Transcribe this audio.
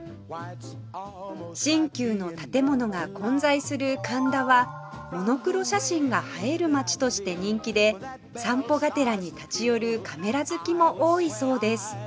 新旧の建物が混在する神田はモノクロ写真が映える街として人気で散歩がてらに立ち寄るカメラ好きも多いそうです